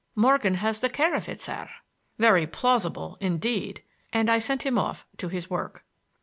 Morgan has the care of it, sir." "Very plausible, indeed!"—and I sent him off to his work.